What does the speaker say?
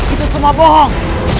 itu semua bohong